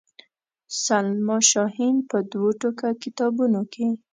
سلما شاهین په دوو ټوکه کتابونو کې.